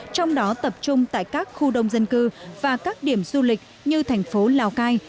trong đó tập trung tại các khu đông dân cư và các điểm du lịch như thành phố lào cai